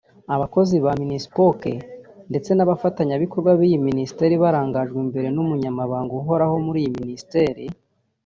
Abakozi ba Minispoc ndetse n’abafatanyabikorwa b’iyi minisiteri barangajwe imbere n’umunyamabanga uhoraho muri iyi minisiteri